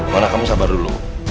mona kamu sabar dulu